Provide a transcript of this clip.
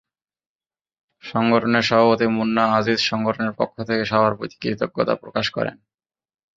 সংগঠনের সভাপতি মুন্না আজিজ সংগঠনের পক্ষ থেকে সবার প্রতি কৃতজ্ঞতা প্রকাশ করেন।